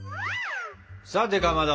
さてかまど。